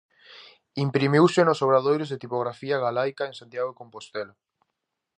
Imprimiuse nos obradoiros de Tipografía Galaica, en Santiago de Compostela.